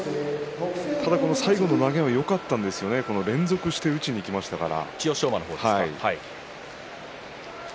最後の投げはよかったんですよね連続して打ちにいきましたから。